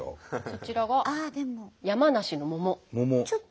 そちらが山梨の桃。